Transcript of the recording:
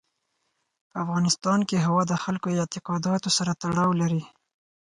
په افغانستان کې هوا د خلکو د اعتقاداتو سره تړاو لري.